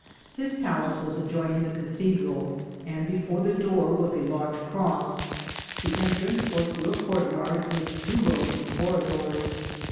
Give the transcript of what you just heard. His palace was adjoining the Cathedral, and before the door was a large cross ; the entrance was through a courtyard with two rows of corridors.